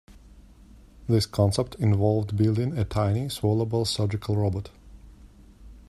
This concept involved building a tiny, swallowable surgical robot.